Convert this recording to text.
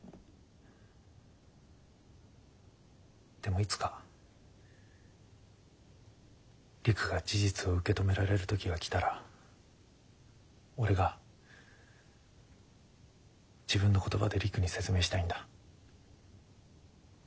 でもいつか璃久が事実を受け止められる時が来たら俺が自分の言葉で璃久に説明したいんだ。